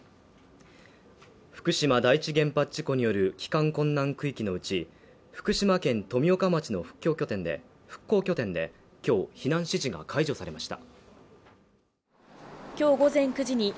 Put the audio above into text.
福島第１原発事故による帰還困難区域のうち、福島県富岡町の復興拠点で、今日、避難指示が解除されました。